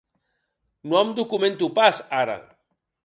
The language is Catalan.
No em documento pas, ara.